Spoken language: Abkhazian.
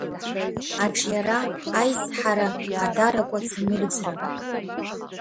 Аҿиара, аизҳара, адаракәац амырӡра.